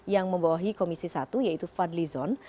yang membawahi komisi satu yaitu fadlizon